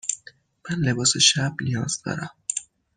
من لباس شب نیاز دارم.